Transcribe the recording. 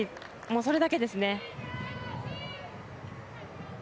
それだけですね。